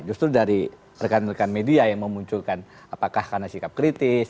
justru dari rekan rekan media yang memunculkan apakah karena sikap kritis